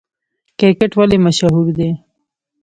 کرکټ ولې مشهور دی؟